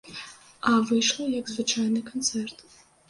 А выйшла, як звычайны канцэрт.